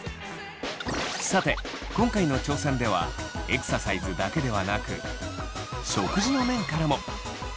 さて今回の挑戦ではエクササイズだけではなく食事の面からも。